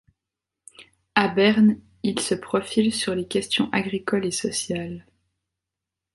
A Berne, il se profile sur les questions agricoles et sociales.